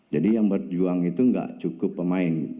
jadi yang berjuang itu gak cukup pemain